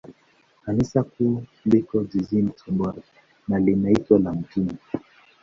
Kanisa Kuu liko jijini Tabora, na linaitwa la Mt.